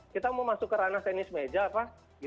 kita mau masuk ke ranah tenis meja pak